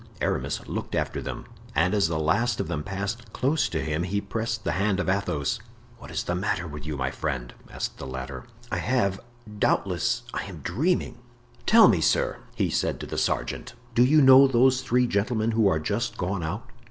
Aramis looked after them, and as the last of them passed close to him he pressed the hand of Athos. "What is the matter with you, my friend?" asked the latter. "I have—doubtless I am dreaming; tell me, sir," he said to the sergeant, "do you know those three gentlemen who are just gone out?"